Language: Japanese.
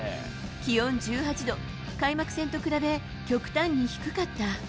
気温１８度、開幕戦と比べ、極端に低かった。